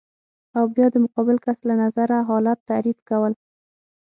او بیا د مقابل کس له نظره حالت تعریف کول